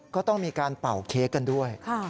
ก็ต้องมีการเป่าเค้กกันด้วย